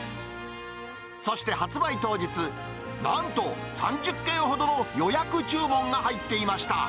そして発売当日、なんと、３０件ほどの予約注文が入っていました。